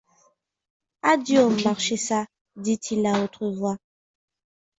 Addio, marchesa! dit-il à haute voix.